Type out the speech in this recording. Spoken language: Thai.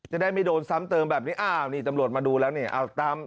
ได้ไม่โดนซ้ำเติมแบบนี้อ้าวนี่ตำรวจมาดูแล้วเนี่ย